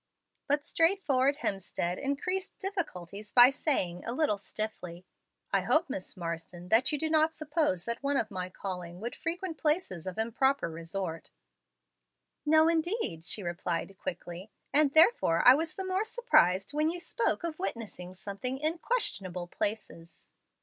But straightforward Hemstead increased difficulties by saying, a little stiffly, "I hope, Miss Marsden, that you do not suppose that one of my calling would frequent places of improper resort." "No, indeed," she replied quickly, "and therefore I was the more surprised when you spoke of witnessing something in 'questionable places.'"